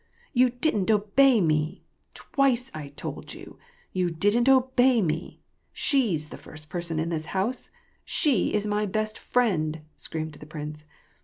" You didn't obey me !... Twice I told you !... You didn't obey me ! She's the first person in this house ; she is my best friend," screamed the prince.